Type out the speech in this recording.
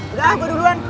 udah gue duluan